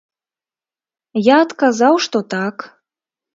Я адказаў, што так.